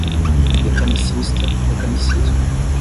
Mecanicista, mecanicismo